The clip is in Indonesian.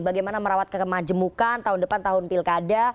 bagaimana merawat kekemajemukan tahun depan tahun pilkada